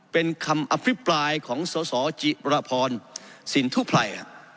เป็นคำอภิปรายของสสจิรพรสินทุไพร